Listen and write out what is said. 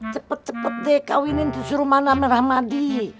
cepet cepet deh kawinin tuh suruhmanah merahmadi